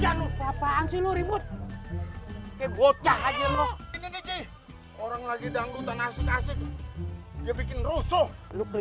jadul capaan silur ibu ke bocah aja loh orang lagi danggutan asyik asyik dia bikin rusuk lu